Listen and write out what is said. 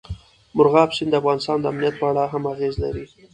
مورغاب سیند د افغانستان د امنیت په اړه هم اغېز لري.